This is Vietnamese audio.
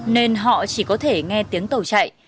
nên họ chỉ có thể nghe tiếng tàu chạy